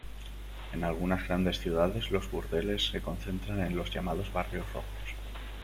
En algunas grandes ciudades los burdeles se concentran en los llamados barrios rojos.